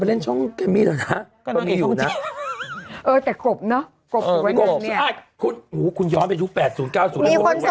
ต้องมีเพลงจินนี่